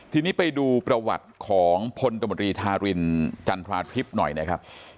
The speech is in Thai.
ทีนี้ไปดูประวัติของพลตมตรีธารินจันทราทิพย์หน่อยนะครับ